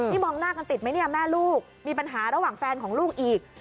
นี่มองหน้ากันติดไหมเนี่ยแม่ลูกมีปัญหาระหว่างแฟนของลูกอีก